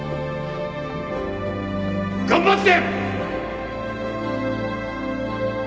頑張って！